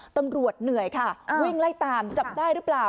ตำรวจเหนื่อยค่ะวิ่งไล่ตามจับได้หรือเปล่า